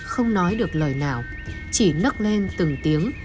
không nói được lời nào chỉ nấc lên từng tiếng